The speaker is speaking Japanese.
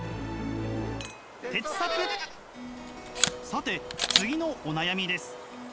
さて次のお悩みです。